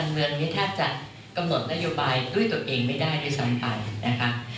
เมืองนี้แทบจะกำหนดนโยบายด้วยตัวเองไม่ได้ด้วยสำคัญนะครับ